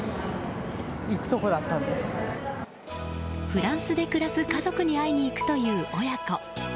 フランスで家族に会いに行くという親子。